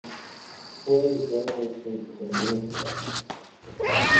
Fue educada con sus hermanas en casa.